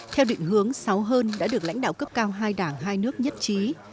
theo định hướng sáu hơn đã được lãnh đạo cấp cao hai đảng hai nước nhất trí